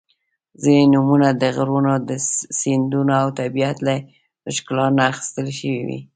• ځینې نومونه د غرونو، سیندونو او طبیعت له ښکلا نه اخیستل شوي دي.